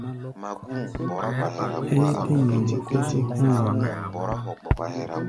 Ɛ́ɛ́ tɛ́ nyɔŋ kɔsɔ hɔ̧́ɔ̧ ná.